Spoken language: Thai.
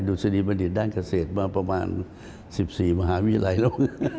ดุษฎีบัณฑิตด้านเกษตรมาประมาณ๑๔มหาวิทยาลัยแล้ว